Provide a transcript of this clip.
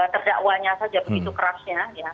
terdakwanya saja begitu kerasnya